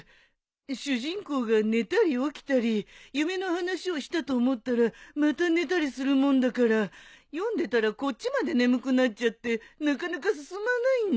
主人公が寝たり起きたり夢の話をしたと思ったらまた寝たりするもんだから読んでたらこっちまで眠くなっちゃってなかなか進まないんだ。